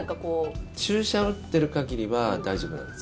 注射を打ってる限りは大丈夫なんです。